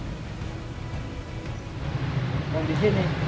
yang di sini tiga puluh satu